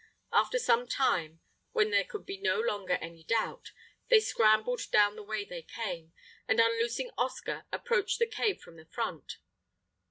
After some time, when there could be no longer any doubt, they scrambled down the way they came, and, unloosing Oscar, approached the cave from the front.